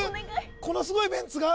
このすごいメンツが？